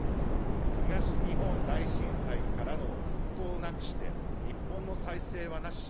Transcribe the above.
東日本大震災からの復興なくして日本の再生はなし。